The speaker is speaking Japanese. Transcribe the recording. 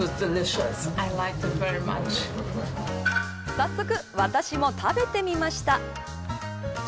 早速、私も食べてみました。